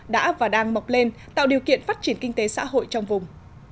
đã và đang mọc lên tạo điều kiện phát triển kinh tế xã hội trong vùng